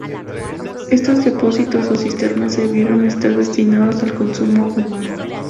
Estos depósitos o cisternas debieron estar destinados al consumo humano.